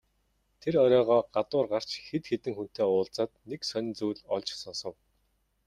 Тэр оройгоо гадуур гарч хэд хэдэн хүнтэй уулзаад нэг сонин зүйл олж сонсов.